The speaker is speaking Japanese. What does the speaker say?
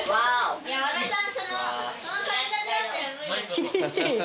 厳しい。